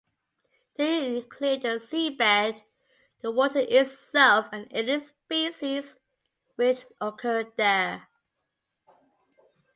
They include the seabed, the water itself and any species which occur there.